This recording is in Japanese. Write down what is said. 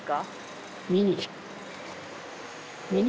ミニ。